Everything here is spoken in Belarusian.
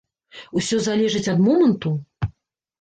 Усё залежыць ад моманту?